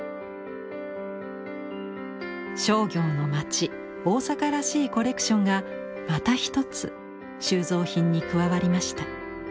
商業の町大阪らしいコレクションがまた一つ収蔵品に加わりました。